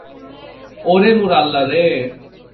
ওরে মোর আল্লাহ রে।